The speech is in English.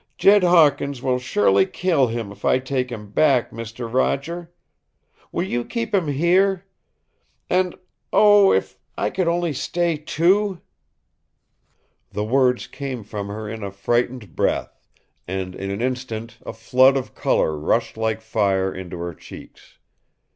Jed Hawkins will sure kill him if I take him back, Mister Roger. Will you keep him here? And o o o h! if I could only stay, too " The words came from her in a frightened breath, and in an instant a flood of color rushed like fire into her cheeks.